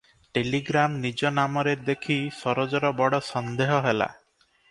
Telegram ନିଜ ନାମରେ ଦେଖି ସରୋଜର ବଡ଼ ସନ୍ଦେହ ହେଲା ।